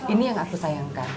ini yang aku sayangkan